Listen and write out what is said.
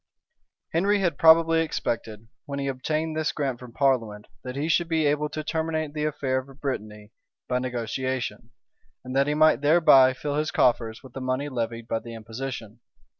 Henry had probably expected, when he obtained this grant from parliament, that he should be able to terminate the affair of Brittany by negotiation, and that he might thereby fill his coffers with the money levied by the imposition.